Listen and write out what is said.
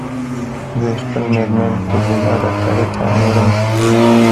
زه خپل مېرمن ښځېنه ډاکټري ته وړم